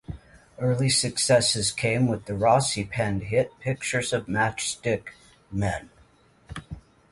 Early successes came with the Rossi-penned hit "Pictures of Matchstick Men".